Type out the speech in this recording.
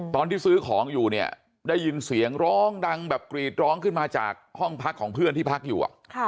ตอนที่ซื้อของอยู่เนี่ยได้ยินเสียงร้องดังแบบกรีดร้องขึ้นมาจากห้องพักของเพื่อนที่พักอยู่